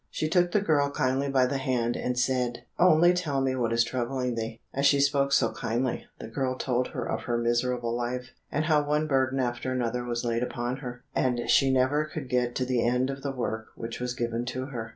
She took the girl kindly by the hand, and said, "Only tell me what is troubling thee." As she spoke so kindly, the girl told her of her miserable life, and how one burden after another was laid upon her, and she never could get to the end of the work which was given to her.